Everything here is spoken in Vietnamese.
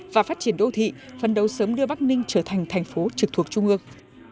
và phát triển đô thị phân đấu sớm đưa bắc ninh trở thành thành phố trực thuộc trung ương